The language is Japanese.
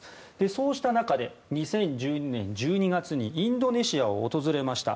そうした中で２０１０年１２月にインドネシアを訪れました。